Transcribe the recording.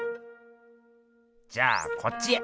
じゃあこっちへ。